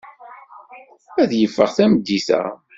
Ad yeffeɣ tameddit-a.